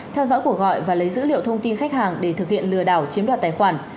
theo dõi cuộc gọi và lấy dữ liệu thông tin khách hàng để thực hiện lừa đảo chiếm đoạt tài khoản